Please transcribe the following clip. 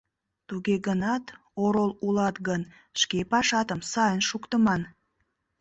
Туге гынат, орол улат гын, шке пашатым сайын шуктыман.